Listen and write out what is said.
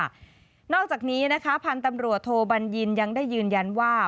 นอกจากนี้นะคะพันธุ์ตำรวจโทบัญญินยังได้ยืนยันว่า